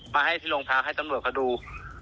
มาให้ที่โรงพักให้ตำรวจเขาดู